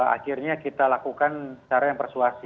akhirnya kita lakukan secara yang persuasif